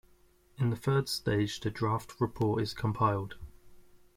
In the third stage the draft report is compiled.